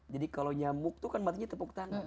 jadi kalau nyamuk tuh kan maksudnya tepuk tangan